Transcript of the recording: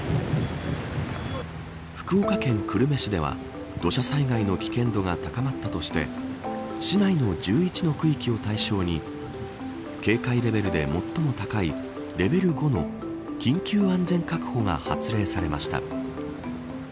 福岡県久留米市では土砂災害の危険度が高まったとして市内の１１の区域を対象に警戒レベルで最も高いレベル５の緊急安全確保が発令されました。